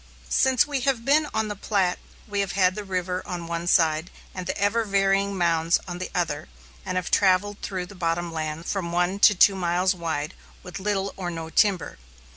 Since we have been on the Platte, we have had the river on one side and the ever varying mounds on the other, and have travelled through the bottom lands from one to two miles wide, with little or no timber.